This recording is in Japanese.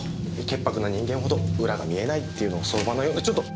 潔白な人間ほど裏が見えないっていうのが相場ちょっと！